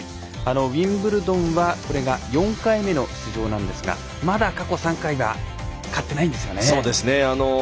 ウィンブルドンはこれが４回目の出場ですがまだ過去３回は勝っていないんですよね。